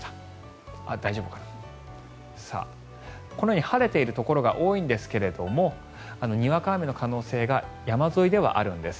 このように晴れているところが多いんですがにわか雨の可能性が山沿いではあるんです。